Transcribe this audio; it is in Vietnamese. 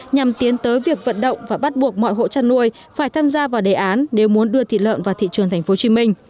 nhằm tiến tới việc vận động và bắt buộc mọi hộ chăn nuôi phải tham gia vào đề án nếu muốn đưa thịt lợn vào thị trường tp hcm